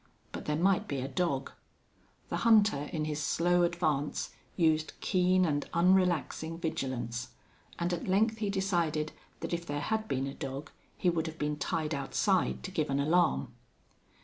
But there might be a dog. The hunter, in his slow advance, used keen and unrelaxing vigilance, and at length he decided that if there had been a dog he would have been tied outside to give an alarm.